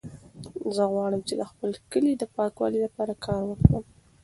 زه غواړم چې د خپل کلي د پاکوالي لپاره کار وکړم.